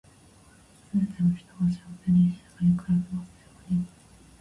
全ての人が幸せに、平和に暮らせますように。